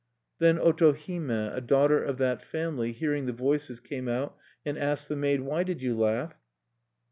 Then Otohime, a daughter of that family, hearing the voices, came out, and asked the maid: "Why did you laugh?"